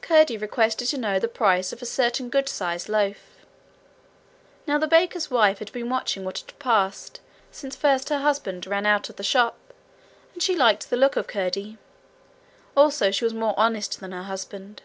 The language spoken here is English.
Curdie requested to know the price of a certain good sized loaf. Now the baker's wife had been watching what had passed since first her husband ran out of the shop, and she liked the look of Curdie. Also she was more honest than her husband.